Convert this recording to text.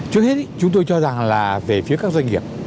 trước hết chúng tôi cho rằng là về phía các doanh nghiệp